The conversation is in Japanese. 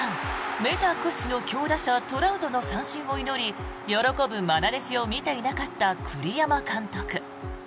メジャー屈指のトラウトの三振を祈り喜ぶまな弟子を見ていなかった栗山監督。